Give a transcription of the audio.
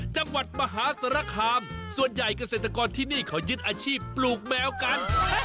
จังหวัดมหาสารคามส่วนใหญ่เกษตรกรที่นี่เขายึดอาชีพปลูกแมวกัน